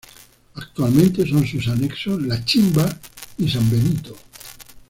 Actualmente son sus anexos: La Chimba y San Benito.